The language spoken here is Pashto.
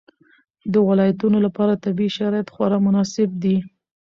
د ولایتونو لپاره طبیعي شرایط خورا مناسب دي.